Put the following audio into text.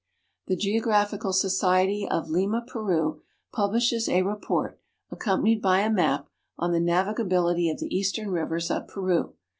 The Geographical Society of Lima, Peru, publishes a report, accom panied by a map, on the " Navigability of the Eastern Rivers of Peru."